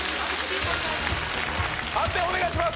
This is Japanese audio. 判定お願いします